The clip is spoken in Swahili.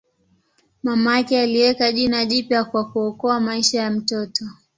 Mama yake aliweka jina jipya kwa kuokoa maisha ya mtoto.